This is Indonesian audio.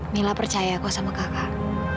mila percaya gue sama kakak